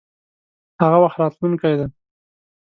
هغه وخت راتلونکی دی.